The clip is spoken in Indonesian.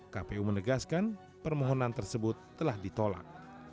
kpu menegaskan permohonan tersebut telah ditolak